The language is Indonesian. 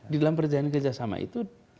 di dalam perjalanan kerjasama itu